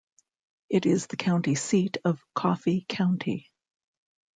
It is the county seat of Coffee County.